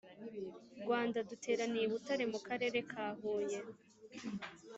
Rwanda duteraniye i Butare mu Karere ka Huye